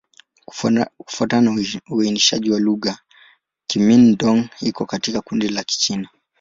Kufuatana na uainishaji wa lugha, Kimin-Dong iko katika kundi la Kichina.